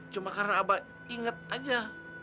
cuma karena abah inget aja